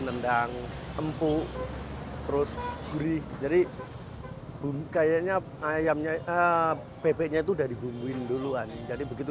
nendang empuk terus gurih jadi kayaknya ayamnya bebeknya itu udah dibumbuin duluan jadi begitu